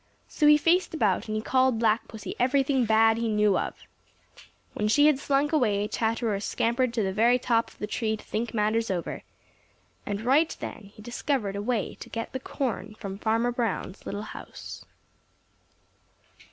So he faced about and he called Black Pussy everything bad he knew of. When she had slunk away, Chatterer scampered to the very top of the tree to think matters over, and right then he discovered a way to get the corn from Farmer Brown's little house.